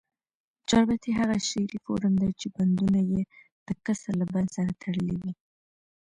چاربیتې هغه شعري فورم دي، چي بندونه ئې دکسر له بند سره تړلي وي.